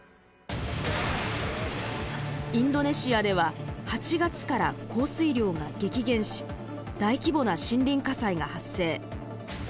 インドネシアでは８月から降水量が激減し大規模な森林火災が発生。